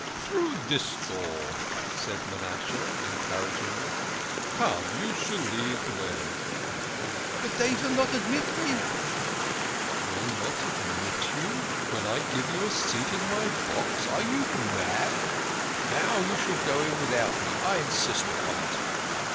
"Through this door," said Manasseh encouragingly. "Come you shall lead the way." " But dey vill not admit me !"" Will not admit you ! When I give you a seat in my box ! Are you mad ? Now you shall just go in without me I insist upon it.